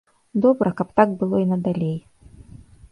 Добра, каб так было й надалей.